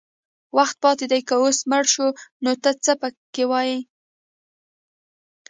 وخت پاتې دی که اوس مړه شو نو ته څه پکې وایې